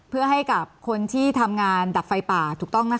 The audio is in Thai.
เพื่อให้กับคนที่ทำงานดับไฟป่าถูกต้องนะคะ